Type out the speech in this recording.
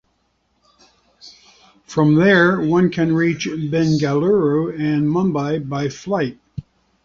From there one can reach Bengaluru and Mumbai by flight.